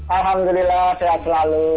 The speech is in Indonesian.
alhamdulillah sehat selalu